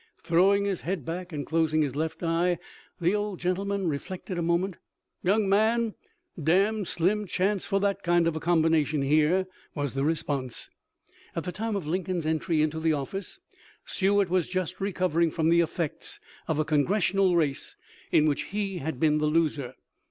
Throwing his head back and closing his left eye the old gentleman reflected a moment. " Young man, d d slim chance for that kind of a combination here," was the response. At the time of Lincoln's entry into the office, Stuart was just recovering from the effects of a congressional race in which he had been the loser.